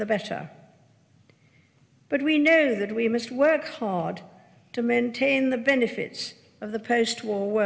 tapi kita tahu bahwa kita harus bekerja keras untuk mempertahankan keuntungan dunia post pandemi